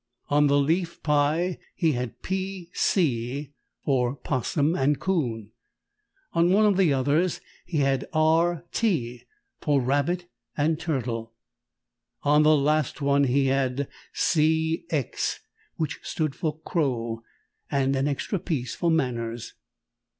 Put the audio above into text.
On the leaf pie he had "P. C.," for 'Possum and 'Coon. On one of the others he had "R. T.," for Rabbit and Turtle. On the last one he had "C. X.," which stood for Crow, and an extra piece for manners.